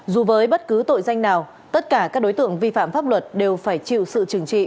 dù với bất cứ tội danh nào tất cả các đối tượng vi phạm pháp luật đều phải chịu sự trừng trị